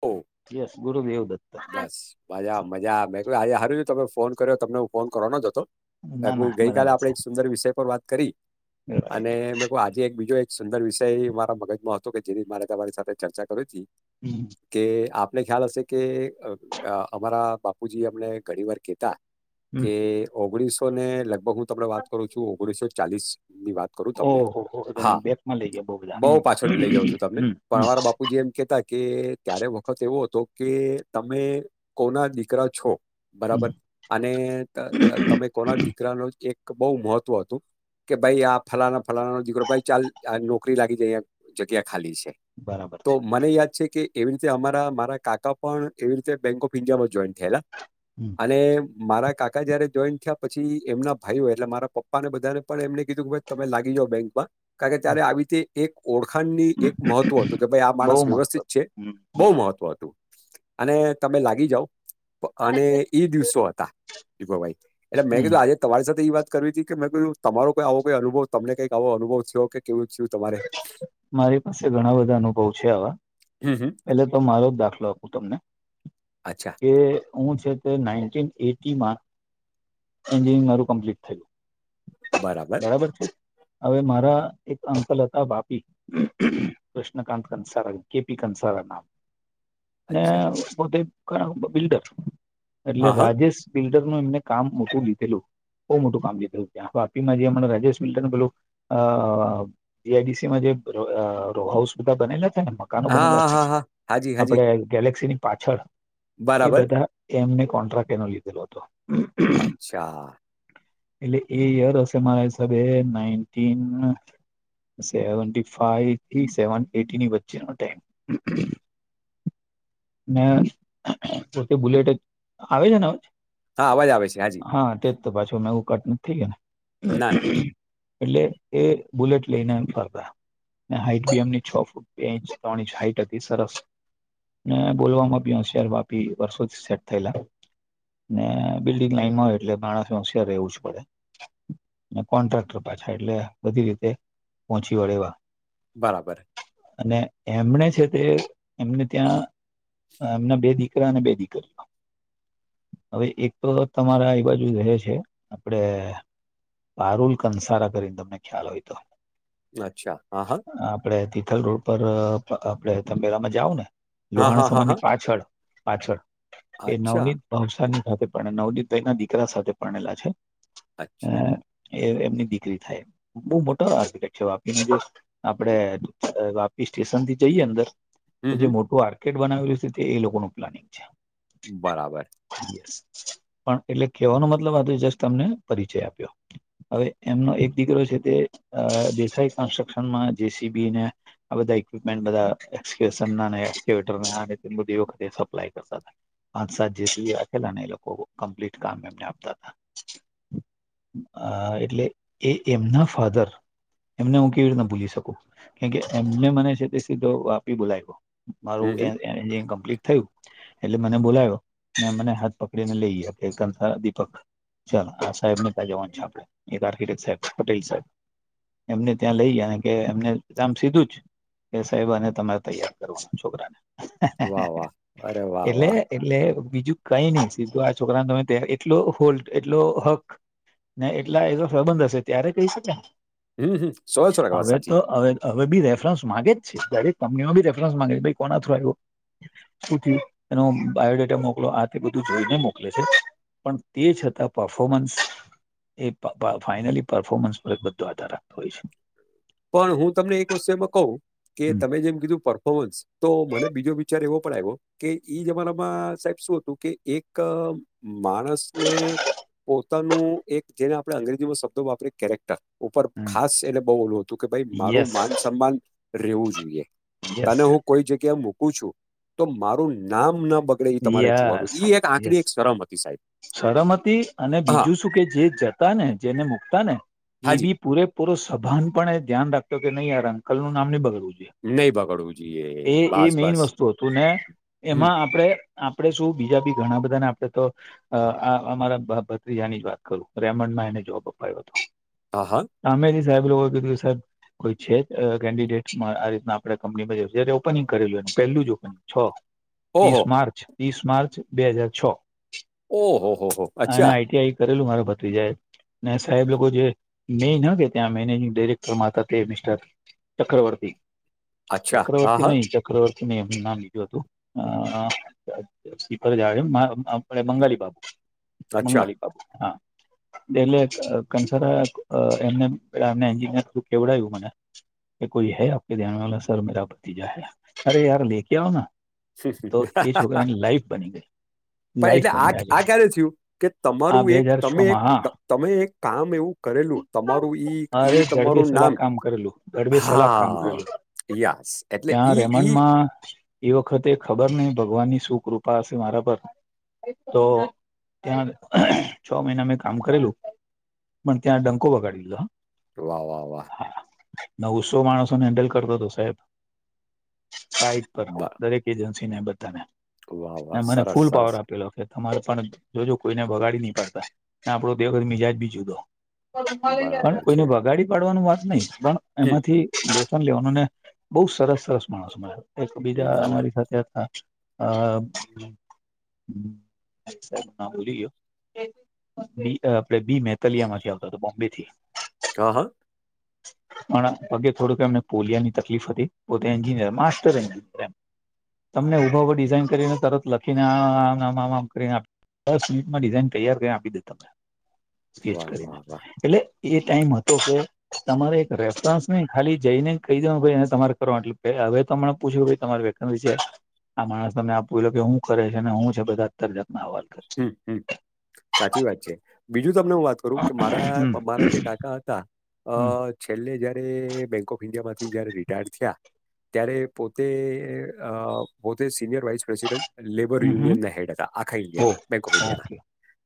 ઓ. Yes Gurudev Dutt. બસ મજા મજા મેં ક આજે હારું તમે ફોન કર્યો તમને હું ફોન કરવાનો જ હતો. ના ના ગઈ કલે બરાબર આપડે છે એક સુંદર વિષય પર વાત કરી અને રાઈટ આજે એક બીજો એક સુંદર વિષય મારા મગજમાં હતો કે જેની મારે તમારી સાથે ચર્ચા કરવી તી. હમ [inaudible] કે આપને ખ્યાલ હશે કે અમારા બાપુજી અમને ઘણી વાર કેતા હમ કે ઓગણીસો ને લગભગ હું તમને વાત કરું છું ઓગણીસો ચાલીસ ની વાત કરું તમને ઓહો હો તમે હા બેકમાં લઈ ગયા બહુ બધા બ‌ઉ હમ પાછળ લઈ જાવ છું તમને પણ હમ અમારા બાપ બાપુજી એમ કેતા કે ત્યારે વખત એવો હતો કે તમે કોના દીકરા છો બરાબર. હમ અને તમે કોના દીકરા ન એક બહુ મહત્વ હતું. કે ભાઈ આ ફલાણા ફલાણા દીકરો ચાલ નોકરી લાગી ગઈ એમ જગ્યા ખાલી છે. બરાબર તો છે મને યાદ છે કે એવી રીતે અમારા મારા કાકા પણ એવી રીતે બેંક ઓફ ઈન્ડિયા મા જોઈન થયેલા. હમ [unintelligible] અને મારા કાકા જયારે જોઈન થયા પછી એમના ભાઈઓ એટલે મારા પપ્પાને બધાને પણ એમને કીધું કે ભાઈ તમે લાગી જાઓ બેંકમાં કારણ કે ત્યારે આવી રીતે એક ઓળખાણની એક મહત્વ હતું કે ભાઈ આ બહુ માણસ મહત્વ વ્યવસ્થિત છે. બહુ મહત્વ હતું. અને તમે લાગી જાવ અને ઈ દિવસો હતા દીપાભાઈ. એટલે મેં હમ કીધું આજે તમારી સાથે એ વાત કરવી હતી કે મેં કીધું તમારો કોઈ આવો અનુભવ તમને કંઈક આવો અનુભવ થયો કે. કેવું છું તમારે. મારી પાસે ઘણા બધા અનુભવ છે આવા હમ હમ પેલે તો મારો દાખલો. હું તમને. અચ્છા. કે હું છે તે નાઇટિન એટી માં એન્જિનિયરિંગ મારું કમ્પ્લીટ થયું. બરાબર. બરાબર છે હવે મારા એક. સલતા બાપી કૃષ્ણકાંત કંસાર કે પી કનસાર નામ. ને અચ્છા પોતે બિલ્ડર એટલે હા હા રાજેશ. બિલ્ડરનું એમને કામ મોટું દિધેલું. બહુ મોટું કામ દિ ઘેલું ત્યાં વાપીમાં જે રાજેશ મિલન પેલું અ. જીઆઈડીસી માં જે રો અ રોહાઉસ બધા બનેલા હતા ને. મકાનો હા બનેલા હા છે હા હા હાજી હાજી આપણેે ગેલેક્સીની પાછળ એ બરાબર બધા. એમને કોન્ટ્રાક્ટ એનો લીધેલો હતો. અચ્છા. એટલે એ યર હશે મારા હિસાબે નાઈન સેવ ફાઈવ થી સેવન એટીની વચ્ચેનો ટાઈમ. ને બુલેટ આવે છે ને. હા અવાજ આવે છે હાજી હા તેજ તો પાછું મે એવું કટ નથી થઈ ગય ને. ના ના એટલે એ બુલેટ. પ્લે કરતા હાઈટ બી એમની છ ફૂટ બે ઇંચ ત્રણ ઇંચ હાઈટ હતીતિ સરસ. મે બોલવામા હોશિયાર યાર વાપી વર્ષો સેટ થયેલા. ને બિલ્ડીંગ લાઈનમાં હોય એટલે બાણા સમસ્યા રહેવું જ પડે. કોન્ટ્રાક્ટર પાછા એટલે બધી રીતે. પહોંચી વળેવા. બરાબર. અને એમણે છે તે એમને ત્યાં એમના બે દીકરા અને બે દીકરિઓ. હવે એક તો તમારા એ બાજુ રહે છે, આપડે પારૂલ કંસારા કરીને તમને ખ્યાલ હોય તો. અચ્છા હા હા. આપડણે તિથલ રોડ પર આપડે તંબેલામાં જાઉ ને, લ હા, લોહાણા હા, હા, હા. સમાયની પાછળ. પાછળ, એ અચ્છા, નવનીત ભવશની સાથે પણ નવદીતભાઈ ના દીકરા સાથે પણણેલા છે. અચ્છા. એ એમની દીકરી થાય, બહ મોટી આિટેર વાપી આપડ વાપી સ્ટેશન થી જઈએ અંદર હમ, જે હમ. મોટું આર્કેટ બનાવેલું છે તે એ લોકોનું પ્લાનિંગ છે. બરાબર. પણ એટલે કેહેવાનો મતલબ આજે જસ્ટ તમને પરિચય આપ્યો. હવે એમનો એક દીકરો છે તે દેસાઈ કન્સ્ટ્રક્શનમાં જે સી બીને આ બધા ઈક્વિપમેન્ટ બધાટ બધી વખતે સપ્લાય કરતા હતા. પાંચ સાત જે સુધી રાખેલા ને એ લોકો કમ્પ્લીટ કામ એમને આપતા હતા. અ એટલે એ એમના ફાધર. એમને હું કેવી રીતના ભૂલી શકું, કેમ કે એમને મને છે તે સીધો વાપી બોલાવી ગયો. મારું હમ, હમ. એન્જિનિયરંગ કમ્પ્લીટ થયું. એટલે મને બોલાવયો, મને હાથ પકડીને લઈ ગયા કે દીપક ચાલો આ સાહેબ નેતા જવાન છે આપડેક સાહેબ પટેલ સાહેબ. એમને ત્યાં લઈ ગયા કે એમને કામ સીધું જ છે. કે સાહેબ અને તમારે તૈયાર કરવો છોકરાને, વાહ, વાહ! અરે વાહ, એટલે વાહ! એટલે બીજું કઈ નહી સીધું આ છોકરા ન તમે એટલો હોલ્ટ એટલો હક. ને એટલા એ પ્રબંધ હશે ત્યારે કહી શકે. હમ હમ. વાત હવે સાચી. તો હવે હવે બી રેફરન્સ માગે છે ડરેક કંપનીમાં ઈ તો રેફરન્સ માગે છે ભાઈ કોના થ આવ્યો. સુથી એનો બાયોડેટા મોકલો આ તે બધું જોઈને મોકલે છે. પણ તે છતાં પરફોર્મન્સ એ ફાઈનલી પરર્ફોર્મન્સ ધાર રાખતો હોય છે. પણ હું તમને એક વસ્તુ એમાં કહું. કે તમે જેમ કીધું પર્ફોર્મન્સ તો મને બીજો વિચાર એવો પણ આવ્યો. કે ઈ જ અમારામાં સાહેબ શું હતું કે એક માણસને પોતાનું એક જેને આપણે અંગ્રેજીમાં શબ્દો વાપરીએ કેરેક ટર, ઉપર ખાસ એલે બહુ ઓલું હતું કે ભાઈ છે મારું યસ માન સન્માન રેવું જોઈએ. તને યસ હું કોઈ જગ્યા મૂકું છું, તો મારું નામ ના બગ. યસ યસ, હતી સાહેબ સરમતી અને હા બીજું શું કે જે જત ને જેને મકતા ને એ હાજી બી પૂરેપૂરો સભાન પણ એ ધ્યાન રાખ્યો કે નહી યાર અંકલ નું નામ નની બગડું જોઈએ. નહી બગડવું જોઈએ એ એ બસ મેન બસ વસ્તુ હતું ને હમ એમાં આપડે આપડે શું બીજા બી ઘણા બધા ને આપડે તો આ અમારા ભત્રીજા ની જ વાત કરું રેમંડ માં એને જોબ અપાયો હતો. હા હા. સામેથી સાહેબ લોકો કીધું સાહેબ કોઈ છે જ કેન્ડિડેટમાં આ રીતના આપણે કંપનીમાં જ છે ઓપનિંગ કરેલું પહેલું જ ઓપનિંગ. છ. ત્રીસ ઓહો માર્ચ ત્રીસ માર્ચ બે હાજાર છ, ઓહો હો હો હો અને અચ્છા આઈ ટી આઈ કરેલું મારો ભત્રીજાએ ને સાહેબ લોકો જે મેન હ કે ત્યાં મેનેજિંગ ડેરેક્ટર માં હતા તે મિસ્ટર ચક્રવર્તી. અચ્છા હા ચક્રવર્તી હા નહી ચક્રવર્તી નહી હું નામ બીજું હતું અ [unintelligible] બંગાલી બાપુ અચ્છા બંગાલી બાપુ હા. ડેલે કંસરા એમને એન્જીનીયર થ્રુ કેવડાવ્યું મને કે કોઈ હૈ આપ કે ધ્યાન વાલા સર મારા ભતીજા હે અરે યાર લેકે આઓ ના. શી શી તો એ છોકરાની લાઈફ બની ગઈ. પણ લાઈફ એટલે આ બની આજે આ ક્યારે થયું કે આ તમારું બે એક હજાર છ તમે માં એક હા તમે એક કામ એવું. કરેલું તમારું ઈ અરે ઈ જડબી તમારું નામ સલાક કામ કરેલું જડબે સલાક કામ હા કરેલું. યસ એટલે ત્યાં ઈ ઈ રેમાન્ડમાં એ વખતે ખબર નહીં ભગવાન ની શું કૃપા હશે મારા પર. તો ત્યા છ મહિના મેં કામ કરેલું. મન ત્યા ડંકો વગાડી લીધો હ વાહ વાહ વાહ. નવસો માણસોને હેન્ડલ કરતો હતો સાહેબ. સાઈટ પર બ- દરેક એજન્સીને બધાને. વાહ એ વાહ મને સરસ ફૂલ પાવર સરસ આપેલો છેે. તમારે પણ જોજો કોઈને વગાડી નહી પડતા આપડો તે વખત મિજાજ બી જુદો. પણ બરાબર કોઈને છે વગાડી પાડવાનું વાત નહી પણ હમ, એમાંથી. ન લેવાનુંને બહુ સરસ સરસ માણસો મળ એક બીજા ના ના અમારી સાથે હતા. અ [unintelligible] ભૂલી ગીયો બી મેતાલિયા માંથી આવતો હતો બોમ્બે થી. ક હ. [unintelligible] પણ પગે થોડુંક એમને પોલિયા ની તકલીફ હતી પોતે એન્જિનિયર માસ્ટર એન્જય એમ. તમને ઊભા ઉભા ડિઝઇન કરીને તરત લખીને આમ આમ આમ આમ કરીને આપ દસ મિનિટમાં ડિઝાઇન તૈયાર કરી આપી દે તમે સ્કેચ વાહ કરીને વાહ વાહ એટલે. એ ટાઈમ હતો કે તમારે એક રેફરન્સ નહી ખાલી જઈને કહી દે તમારે કરો એટલે હવે તોમને પૂછ્યું તમારે [unintelligible] આ માણસ તમને આપું એઈલો કે હું કરે છે ને હું છે બધા અતર જાતના હવાલ કર હમ, સાચી વાત છે બીજું તમને હું વાત કરું કે હમ મારા મારા જે કાકા હતા. અ હમ છેલ્લે જયારે બેંક ઓફ ઈન્ડિયા માંથી જયારે રિટાયર્ડ થયા. ત્યારે પોતે પોતે સિનિયર વાઇસ પ્રેસિડેન્ટ. લેબર હમ હમ યુનિયન ના હેડ હતા આખા ઓ ઇન્ડિયાના. કોપ ઇન્ડિયાના ઓકે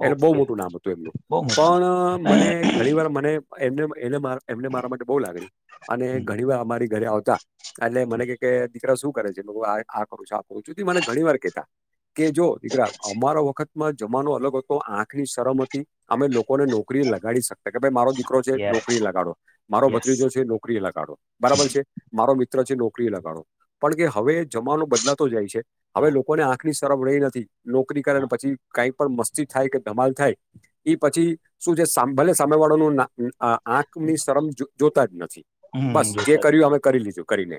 એટલે બો ઓકે મોટુ નામ હતું એમનું બહુ મજા પણ મને ઘણી પણ એમને મારા માટે બઉ લાગણી અને ઘણી વાર અમારી ઘરે આવતા એટલે મને કે દીકરા શું કરે છે આ કરું છું આ કરું છું મને ઘણી વાર કેતા કે જો દીકરા અમારો વખત માં જમાનો અલગ હતો આંખ ની શરમ હતી અમે લોકોને નોકરી લગાડી શક કે ભાઈ મારો દીકરો છે યસ નોકરી લગાડો મારો યસ ભત્રીજો છે, નોકરી લગાડો બરાબર છે મારો મિત્ર છે નોકરી લગાડો પણ કે હવે જમાનો બદલાતો જાય છે. હવે હા લોકોને આંખની શરમ રહી નથી નોકરી કરે હા પછી. કંઈ પણ મસ્તી થાય કે ધમાલ થાય એ પછી શું છે ભલે સામે વાળો નું ના અ આંખ ની શરમ જોતા જ નથી હમ બસ જે જોતા જ કર્યું અમે કરી લીધું કરીને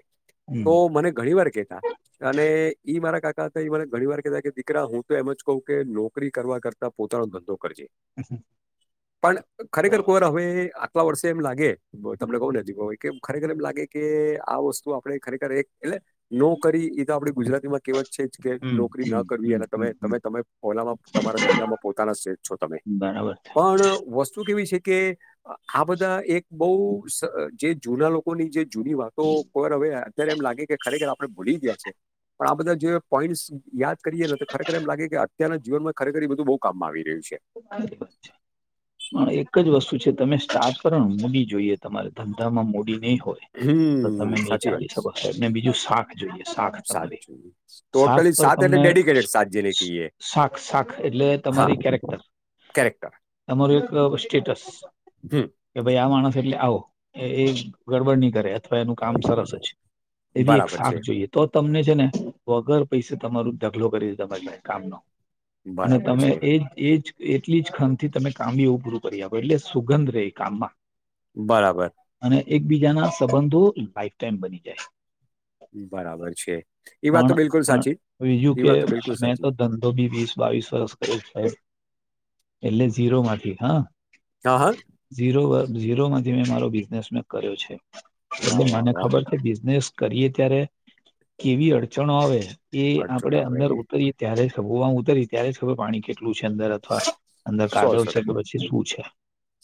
હમ તો મને ઘણી વાર કેતા અને ઈ મારા કાકા હતા મને ઘણી વાર કતાા કે દીકરા હું તો એમ જ કઉ કે નોકરી કરવા કરતા પોતાનો ધંધો કરજે પણ ખરેખર બરાબર ખર હવે આટલા વર્ષે એમ લાગે તમને કહું નથી કે ખરેખર એમ લાગે કે આ વસ્તુ આપડે ખરેખર એક એટલે નોકરી એ તો આપડી ગુજરાતીમાં કેવત છે, જ કે હમ નોકરી હમ ના કરવી હમ અને તમે હમ હમ તમે તમે ઓ તમારા ધંધામાં પોતાના છો, તમે બરાબર છે પણ વસ્તુ કેવી છે કે આ બધા એક બહ જે જૂના લોકો લોકો ની જે જૂની વાતો કોર હવે. અત્યારે એમ લાગે કે ખરેખર આપણે ભૂલી ગયા છે પણ આ બધા જે પોઈન્ટ યાદ કરીએ તો ખરેખર એમ લાગે કે અત્યના જીનમાં ખરેખર બધું બહ કામમાં આવી રહ્યું છે. શાંત પણ એક જ વસ્તુ છે તમે સ્ટાર પર મોૂડી જોઈએ તમારે ધંધામાં મોડી નહી હોય. હમ તો તમે નહી સાચી વાત ચાલી શકો સાહેબ ને બીજું શાખ જોઈએ શાખ તમારી સાચું શાક ટોટલી પર સાત એટલે તમને ડેડિકેટેડ સાત જેને કહીએ શાખ શાખ એટલે હા તમારી કેરેક્ટર કેરેક્ટર ત એક સ્ટેટસ હમ કે ભાઈ આ માણસ એટલે આવો એ ગડબડની કરે અથવા એનું કામ સરસ જ એવી એક બરાબર સાાક છે જોઈએ. તો તમને છે ને વગર પૈસે તમારું ઢગલો કરી છે તમારીાઈ કામ ન અને બરાબર તમે છે એજ એજ એટલી જ ખં થી તમે કામ એવું પૂરું કરી આપ એટલે સુગંધ ર કામમાં બરાબર અને એકબીજાના સંબંધો લાઈફ ટાઈમ બની જાય. બરાબર છે એ વાત પણ તો બિલકુલ પણ સાચી બીજું એ કે વાત તો બિલકુલ મેં તો સાચી ધંધો બી વીસ બાવીસ વર્ષ કર છે. એટલે ઝીરોમાંથી હા ક્યાા હ ઝીરો વ ઝીરો માંથી મેં મારો બિઝનેસ મેં કર્યો છે, એટલે વાહ વાહ મને વાહ ખબર આપ બિઝનેસ કરીએ ત્યારે કેવી અડચણો આવે એ અડચણ આપણેે આવે અંદર ઉતરીએ. ત્યારે સગુઆમાં ઉતરી ત્યારે હવે પાણી કેટલું છે અંદર અથવા અંદર સો સો કાઢવશે કે ટકા પછી શું છે.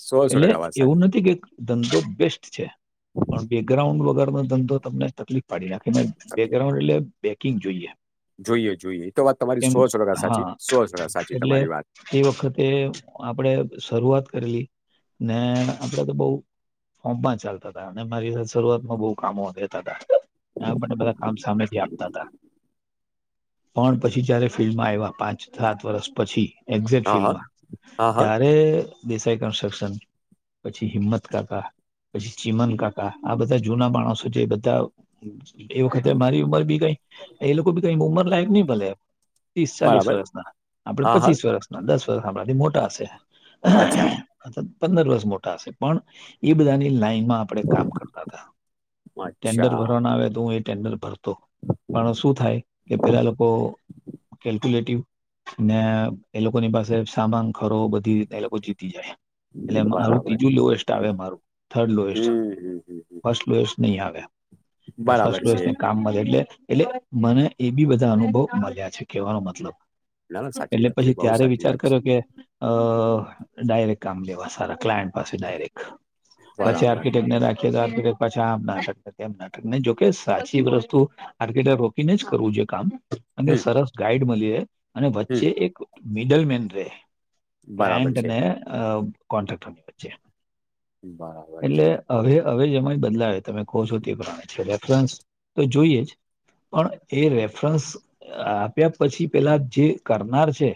સો સો એટલે ટકા વાત એવું સાચી નથી કે ધંધો બેસ્ટ છે. પણ બેકગ્રાઉન્ડ વગરનોો ધંધો તમને તકલીફ પાડી નાખી ને તકલીફ બેકગ્રાઉન્ડ એટલે બેકિંગ જોઈએ જોઈએ જોઈએ એ તો વાત તમારી કેમ સો છો ટા સાચી સો છો, સાચી તમારી વાત એ વખતે આપડે શરૂઆત કરેલી ને આપડે તો બઉ ફોર્મ પણ ચાલતા હતાા અને મારી શરૂઆતમાં બહુ કામો રહેેતા હતાા. હ બને બધા કામ સામે બથી આપતા હતા. પણ પછી જયારે ફિલ્ડમાં આવ્યા પાંચ સાત વર્ષ પછી. એક્ઝેટ હા હા ફિલ્ડમાં હા હા ત્યારે દેસાઈ કન્સ્ટ્રક્શન પછી હિંમત કાકા પછી ચીમન કાકા આ બધા જૂના માણસો જે બધા એ વખતે મારી ઉંમર બી કઈ એ લોકો બી કઈ ઉંમર લાયક નઈ ભલે ત્રીસ ચાલીસ બરાબર વર્ષના આપડ હા હા પચીસ વર્ષના દસ વર્ષ આપણાથી મોટા હશે અચ્છા અથવા પંદર વર્ષ મોટા હશે પણ એ બધાની લાઈનમા ડ કામ કરતા હતા ટેન્ડર અચ્છા ભરવાના આવે હું. ટેન્ડર ભરતો પણ શું થાય કે પેલા લોકો કેલ્ક્યુલેટિવ ને એ લોકોની પાસે સામાન ખરો બધી એ લોકો જીતી જાય એટલે મારું બરાબર ત્રીજું લોએસ્ટ આવે મારું થર્ડ લોએસ્ટ હમ હમ હમ હમ હમ. ફર્સ્ટ લોએસ્ટ નહી, આવે બરાબર છે ફ કામમાં એટલે એટલે મને એ બી બધા અનુભવ મળ્યા છે કેવાનો મતલબ ના ના સાચી એટલે વાત છે પછી બઉુ ત્યારે સાચી વિચાર વાત છે. કર્યો કે ડાયરેક કામ લેવા સારા ક્લાયન્ટ પાછી ડાયરેક્ટ પછી બરાબર આર્કિટેક ને રાખ [unintelligible] પાછા આમ નાટક કે એમ નાટક નહી જોકે સાચી વસ્તુ આર્કેટર રોકીને જ કરવું જોયે કામ અને હમ સરસ ગાઈડ મલયે અને હમ વચ્ચે એક મિડલ મેન રહે બરાબર બ્રાન્ડ છે ને અ કોન્ટ્રાક્ટરની વચ્ચે બરાબર એટલે છે. હવે હવે એમજ બદલાવે તમે કહો છો તે પ્રણે છે રેફરન્સ ત જોઈએ જ. પણ એ રેફરન્સ આપ્યા પછી પેલા જે કરનાર છે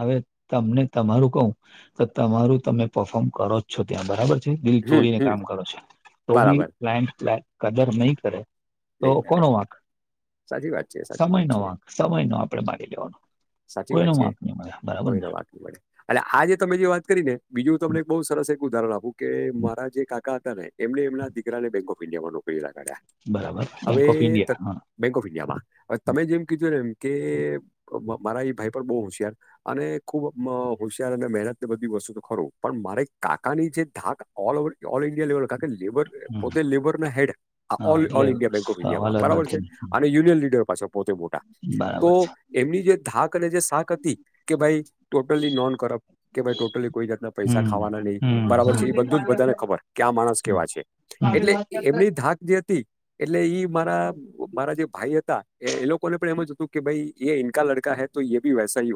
હવે તમને તમારું કવું તો તમારું તમે પફોર્મ કરો છો ત્યાં બરાબર છે દિલ હમ તોડીને હમ કામ કરો છ તો બી બરાબર ક્લાઈન્ટ કદર નહીં કરે તો લઈ કોનો વાંક સાચી વાત છે સાચી સમય વાત નો છે. વાંક સમય નો આપડે મારી લેવાનો સાચી કોઈનો વાત છે. વાંક બરાબર ને. એ આજ તમે જે વાત કરીને બીજું તમને બ સરસ એક ઉદાહરણ આપું કે મારા જે કાકા હતા ને એમને એમના દીકરાને બેંક ઓફ ઈન્ડિયા માં નોકરી લગાડ્યા બરાબર અવે બેંક ઓફ ત ઇન્ડિયા હા બેંક ઓફ ઇન્ડિયામાં હવે તમે જેમ કીધું ને એમ કે મારા એ ભાઈ પણ બહુ હોશિયાર અને ખુબ હોશિયાર અને મહેનત ને બધી વસ્તુ તો ખરું પણ મારે કાકાની જે ધાક ઓ ઓ ઓલ ઇન્ડિયા લેવલ લેબર હમ પોતે લેબર ના હેડ આ હા એટલે ઓલ ઇન્ડિયા બેંક ઓફ સવાલ ઇન્ડિયામાં જ બરાબર નથી છે ને. અને યુનિયન લીડર પાછસે પોતે મોટા તો બરાબર છે એમની જે ધાક અને જે શાક હતી કે ભાઈ ટોટલી નોન કરપ્ટ કે ભાઈ ટોટલી કોઈ જાતના હમ પૈસા ખાવાના નહી હમ બરાબર હમ. છે એ બધું જ બધાને ખબર કે આ માણસ કેવા છે. એટલે એમની ધાક જે હતી એટલે ઈ મારા મારા જે ભાઈ હતા એ લોકોને પણ એમ જ હતું કે ભાઈ એ ઇન્કા લડ કા હે તો એી વૈસા હો